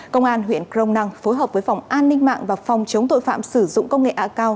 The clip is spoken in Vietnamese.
công an huyện crong năng phối hợp với phòng an ninh mạng và phòng chống tội phạm sử dụng công nghệ a cao